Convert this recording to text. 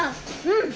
うん！